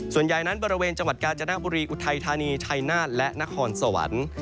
ส่วนใหญ่นั้นบริเวณจังหวัดกาญจนบุรีอุทัยธานีชัยนาฏและนครสวรรค์